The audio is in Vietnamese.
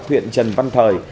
huyện trần văn thời